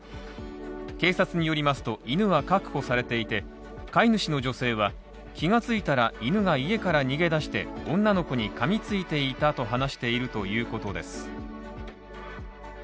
警察によりますと、犬は確保されていて、飼い主の女性は、気がついたら犬が家から逃げ出して、女の子に噛みついていたと話しているということです。